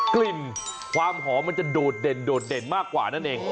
กลิ่นความหอมมันจะโดดเด่นโดดเด่นมากกว่านั่นเอง